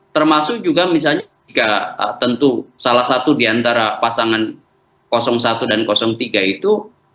termasuk juga misalnya jika tentu salah satu diantara pasangan satu dan tiga itu